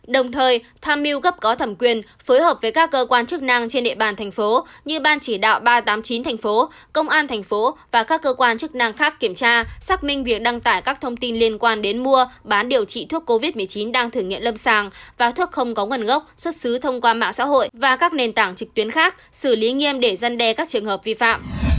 đồng thời tham mưu cấp có thẩm quyền phối hợp với các cơ quan chức năng trên địa bàn thành phố như ban chỉ đạo ba trăm tám mươi chín thành phố công an thành phố và các cơ quan chức năng khác kiểm tra xác minh việc đăng tải các thông tin liên quan đến mua bán điều trị thuốc covid một mươi chín đang thử nghiệm lâm sàng và thuốc không có nguồn ngốc xuất xứ thông qua mạng xã hội và các nền tảng trực tuyến khác xử lý nghiêm để dân đe các trường hợp vi phạm